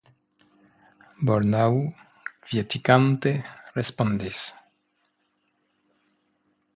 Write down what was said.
Bolnau kvietigante respondis.